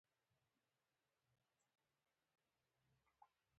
افغانستان په پسه باندې تکیه لري.